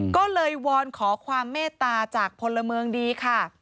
ก็เลยวอนขอความเมตตาจากพลเมืองดีค่ะ